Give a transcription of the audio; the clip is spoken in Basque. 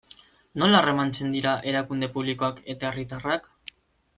Nola harremantzen dira erakunde publikoak eta herritarrak?